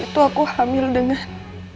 itu aku hamil dengan